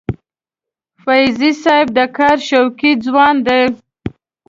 فیضي صاحب د کار شوقي ځوان دی.